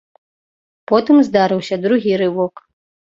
Потым здарыўся другі рывок.